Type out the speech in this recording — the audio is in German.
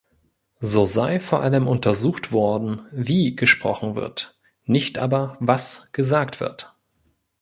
So sei vor allem untersucht worden, "wie" gesprochen wird, nicht aber "was" gesagt wird.